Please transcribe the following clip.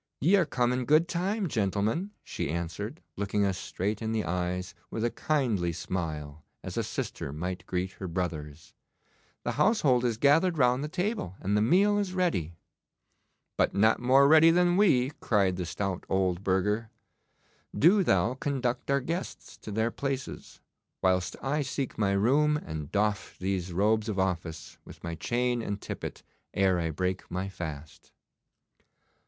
'Ye are come in good time, gentlemen,' she answered, looking us straight in the eyes with a kindly smile as a sister might greet her brothers. 'The household is gathered round the table and the meal is ready.' 'But not more ready than we,' cried the stout old burgher. 'Do thou conduct our guests to their places, whilst I seek my room and doff these robes of office, with my chain and tippet, ere I break my fast.